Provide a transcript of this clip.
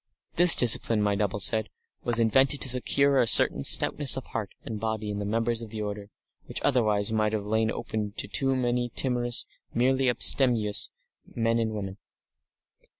This discipline, my double said, was invented to secure a certain stoutness of heart and body in the members of the order, which otherwise might have lain open to too many timorous, merely abstemious, men and women.